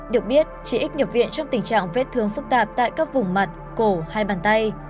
được biết chị x nhập viện trong tình trạng vết thương phức tạp tại các vùng mặt cổ hai bàn tay